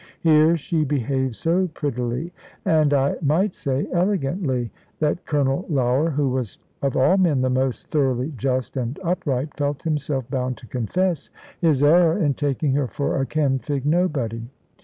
Here she behaved so prettily, and I might say elegantly, that Colonel Lougher (who was of all men the most thoroughly just and upright) felt himself bound to confess his error in taking her for a Kenfig nobody.